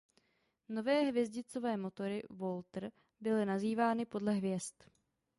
Nové hvězdicové motory Walter byly nazývány podle hvězd.